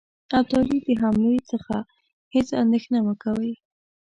ابدالي د حملې څخه هیڅ اندېښنه مه کوی.